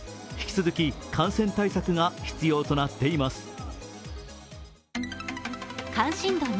引き続き感染対策が必要となっています。